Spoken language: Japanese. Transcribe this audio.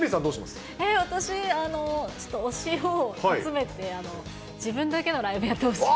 私、ちょっと推しを集めて自分だけのライブやってほしい。